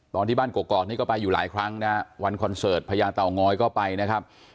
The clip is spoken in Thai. ตอนที่บ้านกรอกนี่ก็ไปอยู่หลายครั้งนะฮะวันคอนเสิร์ตพญาเตางอยก็ไปนะครับ